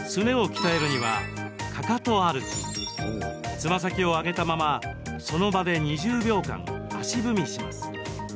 つま先を上げたままその場で２０秒間、足踏みします。